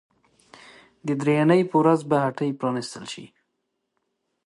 د درېنۍ په ورځ به هټۍ پرانيستل شي.